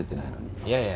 いやいや。